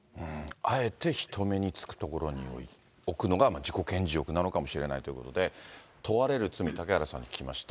あえて人目につく所に置くのが自己顕示欲なのかもしれないということで、問われる罪、嵩原さんに聞きました。